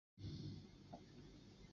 它们栖息在森林之内。